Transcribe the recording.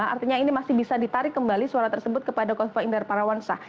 artinya ini masih bisa ditarik kembali suara tersebut kepada kofifa indar parawansa